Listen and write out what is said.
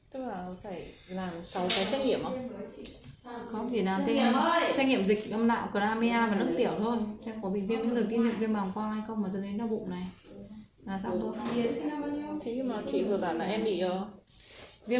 tức là có thể làm sáu cái xét nghiệm không